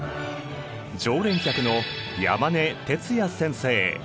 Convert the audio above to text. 常連客の山根徹也先生。